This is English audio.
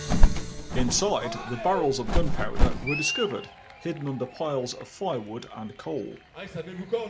Inside, the barrels of gunpowder were discovered hidden under piles of firewood and coal.